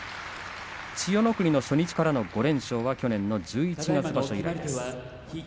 千代の国の初日からの５連勝去年の十一月場所以来です。